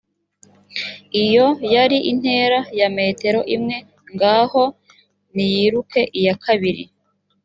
iyo yari intera ya metero imwe ngaho niyiruke iyakabiri